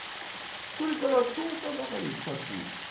それから１０日ばかりたつ。